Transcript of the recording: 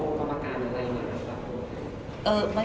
ไม่ใช่คณะกรมกรมกรรมการอะไรอย่างนี้